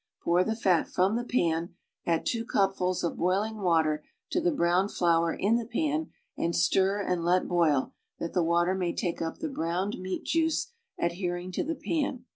Pour the fat from the pan. .\dd two cupfuls of boiling water to the browned flour in the pan and stir and let boil, that the water may take up the browned meat jniee adhering to the pan.